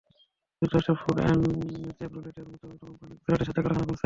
যুক্তরাষ্ট্রের Ford and চেভরোলেটের মতো অটো কোম্পানি গুজরাটে তাদের কারখানা খুলেছে।